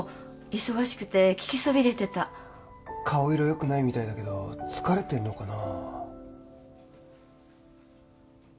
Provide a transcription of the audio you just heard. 忙しくて聞きそびれてた顔色よくないみたいだけど疲れてるのかな？